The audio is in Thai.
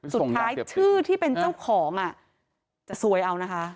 สุดท้ายชื่อที่เป็นเจ้าของจะซวยเอานะคะ